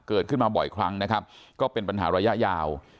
เกิดขึ้นมาบ่อยครั้งนะครับก็เป็นปัญหาระยะยาว